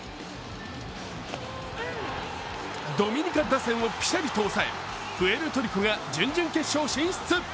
ドミニカ打線をぴしゃりと抑えプエルトリコが準決勝進出。